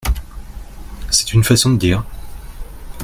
C'est une façon de dire !